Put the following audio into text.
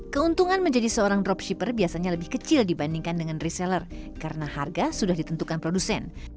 keuntungan menjadi seorang dropshipper biasanya lebih kecil dibandingkan dengan reseller karena harga sudah ditentukan produsen